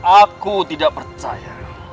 aku tidak percaya